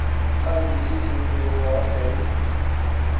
他的意思是要我死。